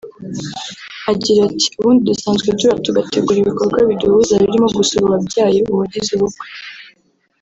Agira ati “Ubundi dusanzwe duhura tugategura ibikorwa biduhuza birimo gusura uwabyaye uwagize ubukwe